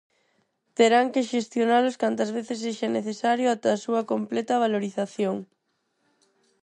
Terán que xestionalos cantas veces sexa necesario ata a súa completa valorización.